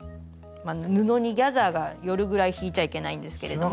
布にギャザーが寄るぐらい引いちゃいけないんですけれども。